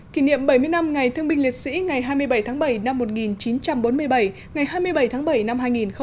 kỷ niệm bảy mươi năm ngày thương binh liệt sĩ ngày hai mươi bảy tháng bảy năm một nghìn chín trăm bốn mươi bảy ngày hai mươi bảy tháng bảy năm hai nghìn một mươi chín